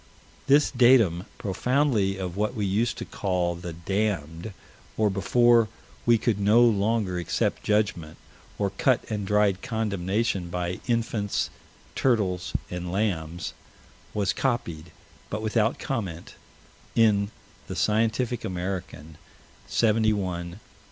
This datum, profoundly of what we used to call the "damned," or before we could no longer accept judgment, or cut and dried condemnation by infants, turtles, and lambs, was copied but without comment in the Scientific American, 71 371.